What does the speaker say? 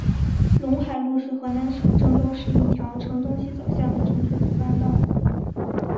陇海路是河南省郑州市一条呈东西走向的城市主干道。